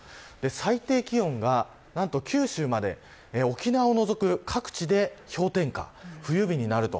最低気温が、何と九州まで沖縄を除く各地で氷点下、冬日になる。